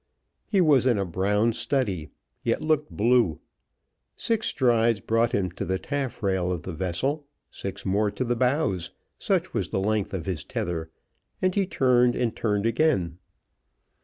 He was in a brown study, yet looked blue. Six strides brought him to the taffrail of the vessel, six more to the bows, such was the length of his tether and he turned, and turned again.